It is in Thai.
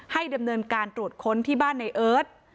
ดำเนินการตรวจค้นที่บ้านในเอิร์ท